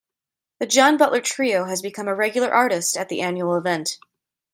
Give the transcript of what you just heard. The John Butler Trio has become a regular artist at the annual event.